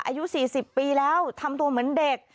อายุ๔๐ปีแล้วทำตัวเหมือนเด็ก